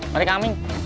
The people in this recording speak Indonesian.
mari kak aming